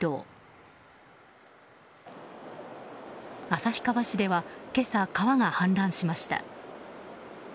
旭川市では今朝川が氾濫しました。